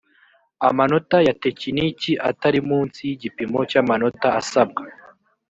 amanota ya tekiniki atari munsi y’igipimo cy’amanota asabwa